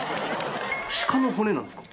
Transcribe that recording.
鹿の骨なんですか？